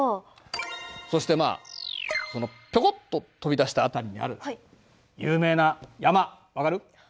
そしてまあこのピョコッと飛び出した辺りにある有名な山分かる？